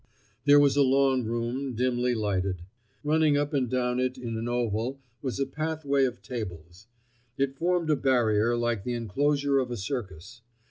There was a long room, dimly lighted. Running up and down it in an oval, was a pathway of tables. It formed a barrier like the enclosure of a circus.